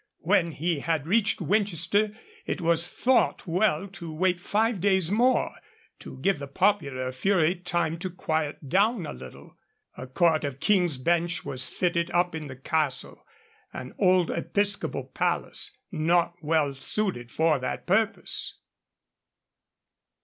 When he had reached Winchester, it was thought well to wait five days more, to give the popular fury time to quiet down a little. A Court of King's Bench was fitted up in the castle, an old Episcopal palace, not well suited for that purpose.